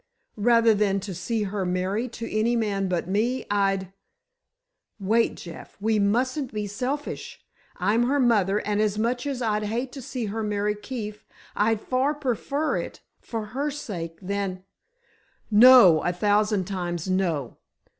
"Rather than to see her married to any man but me, I'd——" "Wait, Jeff. We mustn't be selfish. I'm her mother, and much as I'd hate to see her marry Keefe, I'd far prefer it—for her sake, than——" "No! a thousand times, no!